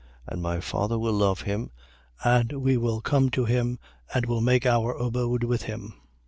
And my Father will love him and we will come to him and will make our abode with him.